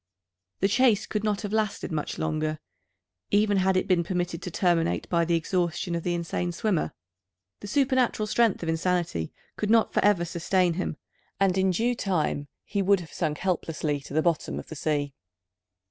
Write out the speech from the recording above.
The chase could not have lasted much longer, even had it been permitted to terminate by the exhaustion of the insane swimmer. The supernatural strength of insanity could not forever sustain him; and in due time he would have sunk helplessly to the bottom of the sea.